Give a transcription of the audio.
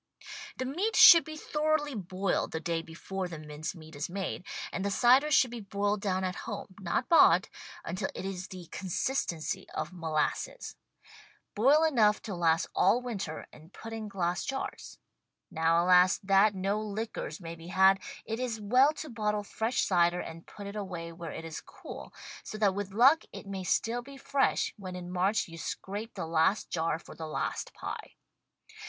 The meat should be thoroughly boiled the day before the mince meat is made, and the cider should be boiled down at home — not bought — until it is the consistency of WRITTEN FOR MEN BY MEN molasses. Boil enough to last all winter and put in glass jars. Now, alas, that no liquors may be had, it is well to bottle fresh cider and put it away where it is cool, so that with luck it may stili be fresh when in March you scrape the last jar for the last pie.